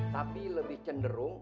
tapi lebih cenderung